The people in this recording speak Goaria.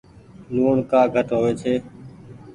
لوڻ ڪآ گھٽ هووي ڇي۔